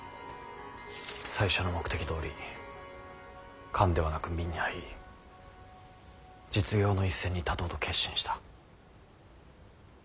最初の目的どおり官ではなく民に入り実業の一線に立とうと決心した。